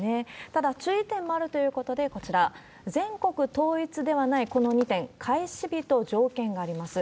ただ、注意点もあるということで、こちら、全国統一ではないこの２点、開始日と条件があります。